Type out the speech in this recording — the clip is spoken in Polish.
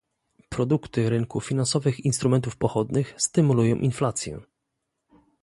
Produkty rynku finansowych instrumentów pochodnych stymulują inflację